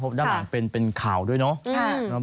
ด้านหลังเป็นข่าวด้วยเนาะ